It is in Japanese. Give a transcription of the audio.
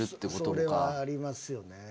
それはありますよね。